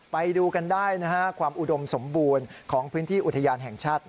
ไปดูกันได้ความอุดมสมบูรณ์ของพื้นที่อุทยานแห่งชาติ